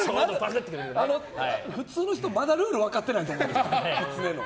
普通の人、まだルール分かってないと思うんです。